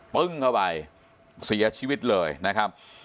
ปึ้งเข้าไปเสียชีวิตเลยนะครับ